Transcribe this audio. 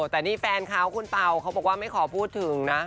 แต่นี่แฟนเขาคุณเป่าเขาบอกว่าไม่ขอพูดถึงนะ